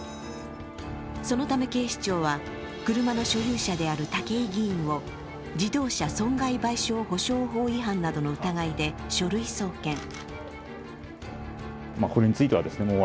そのため警視庁は、車の所有者である武井議員を自動車損害賠償保障法違反などの疑いで書類送検。